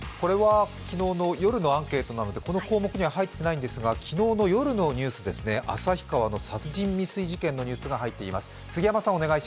これは夜のアンケートなので項目には入っていないのですが、昨日の夜のニュースです、旭川の殺人未遂事件のニュースです。